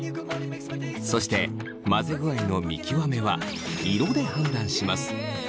そして混ぜ具合の見極めは色で判断します。